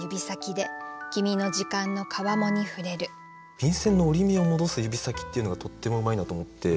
「便箋の折り目を戻す指先」っていうのがとってもうまいなと思って。